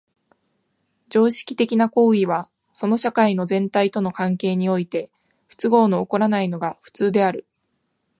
常識的な行為はその社会の全体との関係において不都合の起こらないのが普通である。